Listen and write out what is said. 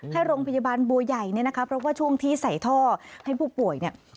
ให้โรงพยาบาลบัวใหญ่เนี่ยนะคะเพราะว่าช่วงที่ใส่ท่อให้ผู้ป่วยเนี่ย